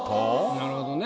なるほどね。